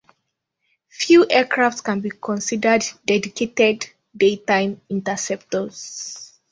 Few aircraft can be considered "dedicated" daytime interceptors.